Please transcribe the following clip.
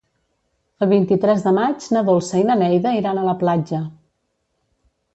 El vint-i-tres de maig na Dolça i na Neida iran a la platja.